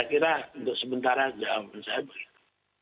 saya kira untuk sementara jawaban saya begitu